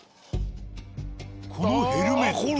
このヘルメット。